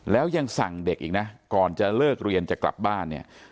แล้วยังสั่งเด็กอีกนะก่อนจะเลิกเรียนจะกลับบ้านเนี่ย